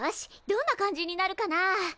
どんな感じになるかな？